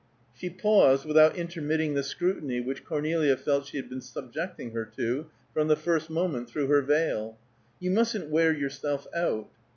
She paused, without intermitting the scrutiny which Cornelia felt she had been subjecting her to from the first moment through her veil. "You mustn't wear yourself out."